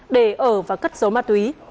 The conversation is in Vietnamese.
để ở và cất giấu ma tùy